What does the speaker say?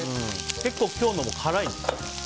結構、今日のも辛いんですか。